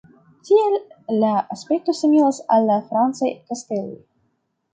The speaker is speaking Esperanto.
Tial la aspekto similas al la francaj kasteloj.